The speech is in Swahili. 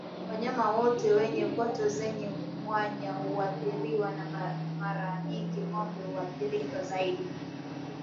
Wanyama wote wenye kwato zenye mwanya huathiriwa na Mara nyingi ng'ombe huathirika zaidi